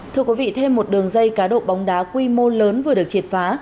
thưa quý vị thêm một đường dây cá độ bóng đá quy mô lớn vừa được triệt phá